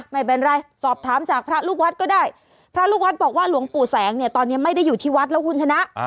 ไม่เป็นไรสอบถามจากพระลูกวัดก็ได้พระลูกวัดบอกว่าหลวงปู่แสงเนี่ยตอนนี้ไม่ได้อยู่ที่วัดแล้วคุณชนะ